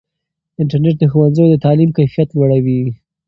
انټرنیټ د ښوونځیو د تعلیم کیفیت لوړوي.